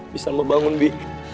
bisa membangun bi